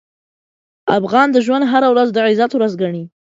افغان د ژوند هره ورځ د عزت ورځ ګڼي.